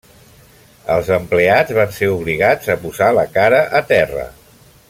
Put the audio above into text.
Els empleats van ser obligats a posar la cara a terra.